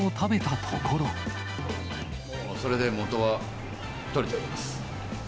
それで元は取れております。